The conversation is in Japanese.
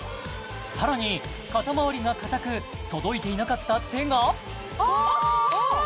さらに肩周りが硬く届いていなかった手がおっ！